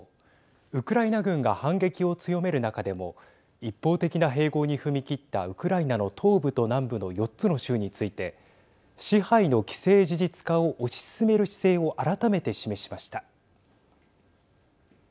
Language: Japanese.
ウクライナ軍が反撃を強める中でも一方的な併合に踏み切ったウクライナの東部と南部の４つの州について支配の既成事実化を推し進める姿勢を改めて示しました。